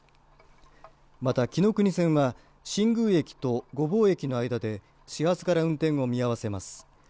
また、きのくに線は新宮駅と御坊駅の間で始発から運転を見合わせます。